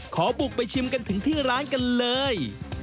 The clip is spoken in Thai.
ขอบุกไปชิมกันถึงที่ร้านกันเลย